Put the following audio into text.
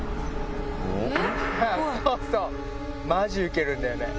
マジウケるんだよね。